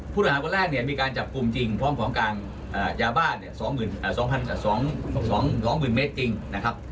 ผู้หาวันแรกมีการจับกุมจริงพร้อมของการยาบ้าน๒หมื่นเมตรจริงนะครับ